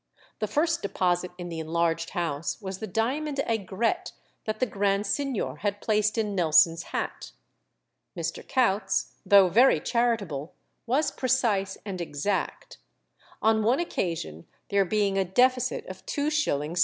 The first deposit in the enlarged house was the diamond aigrette that the Grand Signor had placed in Nelson's hat. Mr. Coutts, though very charitable, was precise and exact. On one occasion, there being a deficit of 2s.